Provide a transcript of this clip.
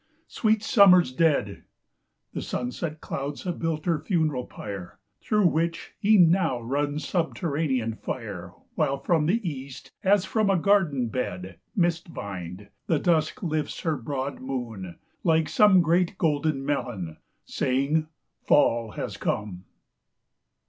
sweet Summer's dead! The sunset clouds have built her funeral pyre, Through which, e'en now, runs subterranean fire: While from the East, as from a garden bed, Mist vined, the Dusk lifts her broad moon like some Great golden melon saying, "Fall has come."